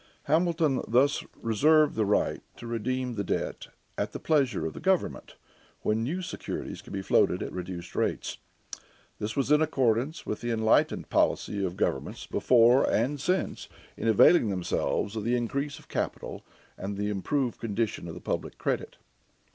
Hamilton thus reserved the right to redeem the debt at the pleasure of the government, when new securities could be floated at reduced rates. This was in accordance with the enlightened policy of governments before and since in availing themselves of the increase of capital and the improved condition of the public credit.